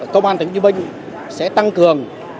công an tp hcm sẽ tăng cường